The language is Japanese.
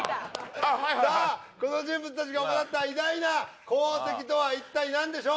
さあこの人物達が行った偉大な功績とは一体何でしょう？